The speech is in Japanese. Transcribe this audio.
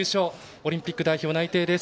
オリンピック代表内定です。